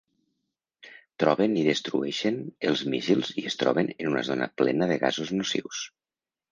Troben i destrueixen els míssils i es troben en una zona plena de gasos nocius.